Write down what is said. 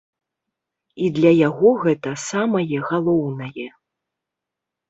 І для яго гэта самае галоўнае.